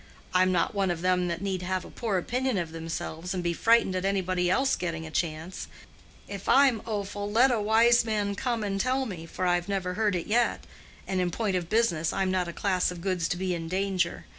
I'm not one of them that had need have a poor opinion of themselves, and be frightened at anybody else getting a chance. If I'm offal, let a wise man come and tell me, for I've never heard it yet. And in point of business, I'm not a class of goods to be in danger.